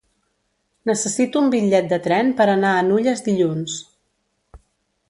Necessito un bitllet de tren per anar a Nulles dilluns.